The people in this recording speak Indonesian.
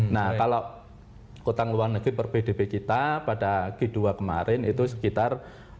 nah kalau utang luar negeri per pdb kita pada g dua kemarin itu sekitar tiga puluh tiga delapan puluh enam